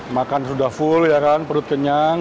makan sudah full perut kenyang